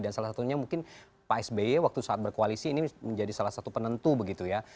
dan salah satunya mungkin pak sby waktu saat berkoalisi ini menjadi salah satu penentu begitu ya